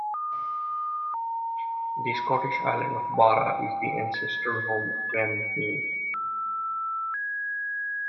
The Scottish island of Barra is the ancestral home of Clan MacNeil.